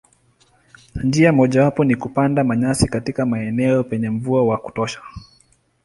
Njia mojawapo ni kupanda manyasi katika maeneo penye mvua wa kutosha.